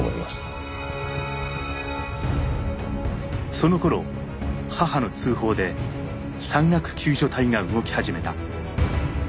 そのころ母の通報で山岳救助隊が動き始めた。